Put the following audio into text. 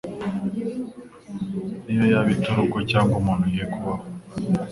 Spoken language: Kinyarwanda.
naho yaba iturugo cyangwa umuntu ye kubaho'.